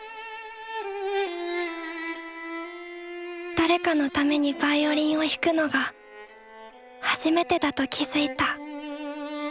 誰かのためにヴァイオリンを弾くのが初めてだと気付いた。